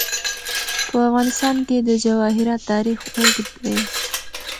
په افغانستان کې د جواهرات تاریخ اوږد دی.